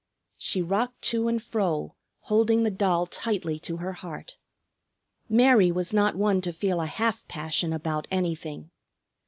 She rocked to and fro, holding the doll tightly to her heart. Mary was not one to feel a half passion about anything.